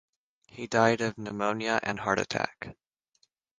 He died of pneumonia and heart attack.